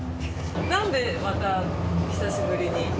なんでまた久しぶりに。